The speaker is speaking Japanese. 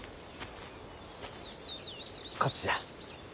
こっちじゃ。